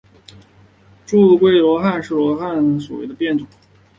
柱冠罗汉松是罗汉松科罗汉松属罗汉松的变种。